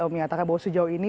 menyatakan bahwa sejauh ini